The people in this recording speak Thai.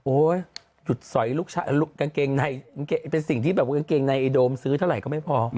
โอ้ยหยุดสอยลูกชาติลูกกางเกงไนเป็นสิ่งที่แบบกางเกงในโดมซื้อเท่าไหร่ก็ไม่พอ